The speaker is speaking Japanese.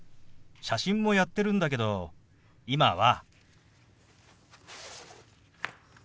写真もやってるんだけど今は。